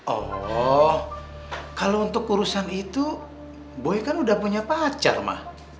oh kalo untuk urusan itu boy kan udah punya pacar ma